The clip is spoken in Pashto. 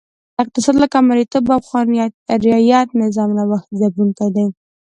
اقتصاد لکه مریتوب او خان رعیت نظام نوښت ځپونکی دی.